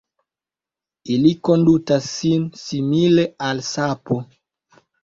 Ili kondutas sin simile al sapo.